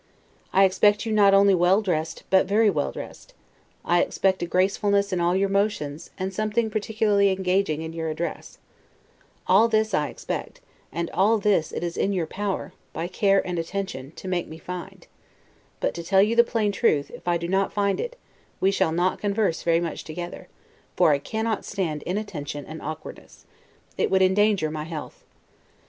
I expect you not only well dressed but very well dressed; I expect a gracefulness in all your motions, and something particularly engaging in your address, All this I expect, and all this it is in your power, by care and attention, to make me find; but to tell you the plain truth, if I do not find it, we shall not converse very much together; for I cannot stand inattention and awkwardness; it would endanger my health.